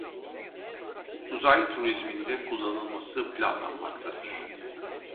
Uzay turizminde kullanılması planlanmaktadır.